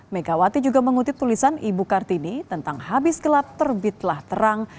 megawati juga mengutip tulisan ibu kartini tentang habis gelap terbitlah terang